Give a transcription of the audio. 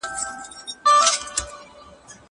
زه زدکړه کړې ده.